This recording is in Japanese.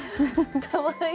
かわいい。